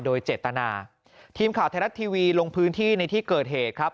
โดยเจตนาทีมข่าวไทยรัฐทีวีลงพื้นที่ในที่เกิดเหตุครับ